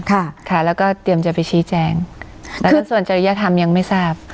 ค่ะค่ะแล้วก็เตรียมจะไปชี้แจงคือส่วนจริยธรรมยังไม่ทราบ